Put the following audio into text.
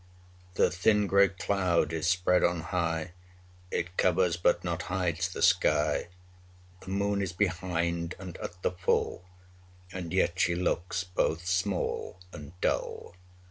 15 The thin gray cloud is spread on high, It covers but not hides the sky. The moon is behind, and at the full; And yet she looks both small and dull.